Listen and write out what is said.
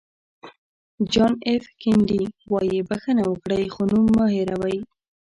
جان اېف کینېډي وایي بښنه وکړئ خو نوم مه هېروئ.